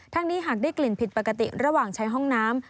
นี้หากได้กลิ่นผิดปกติระหว่างใช้ห้องน้ำ